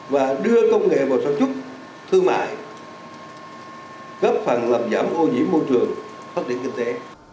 và đưa công nghệ vào sản xuất thương mại góp phần làm giảm ô nhiễm môi trường phát triển kinh tế